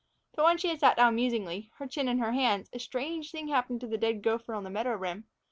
But when she had sat down musingly, her chin in her hands, a strange thing happened to the dead gopher on the meadow rim.